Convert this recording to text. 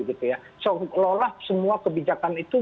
seolah olah semua kebijakan itu